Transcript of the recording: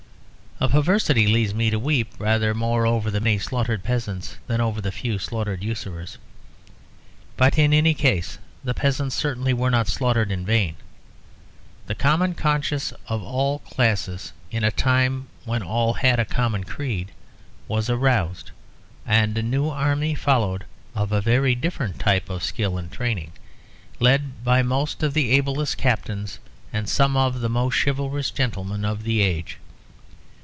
A perversity leads me to weep rather more over the many slaughtered peasants than over the few slaughtered usurers; but in any case the peasants certainly were not slaughtered in vain. The common conscience of all classes, in a time when all had a common creed, was aroused, and a new army followed of a very different type of skill and training; led by most of the ablest captains and by some of the most chivalrous gentlemen of the age.